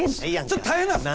ちょっと大変なんです！